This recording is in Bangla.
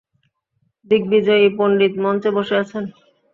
দিগ্বিজয়ী পণ্ডিত মঞ্চে বসে আছেন।